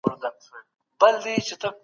انجنيران اوس د دې پروژې ستونزي څېړي.